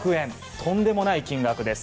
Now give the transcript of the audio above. とんでもない金額です。